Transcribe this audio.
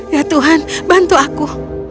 ya tuhan bantu aku